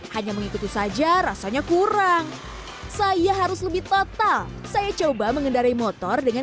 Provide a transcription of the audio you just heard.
hanya mengikuti saja rasanya kurang saya harus lebih total saya coba mengendarai motor dengan